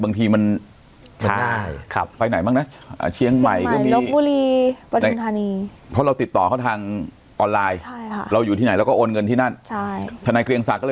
บางทีมันไปไหนบ้างนะเชียงใหม่ลบบุรีประทุนฐานี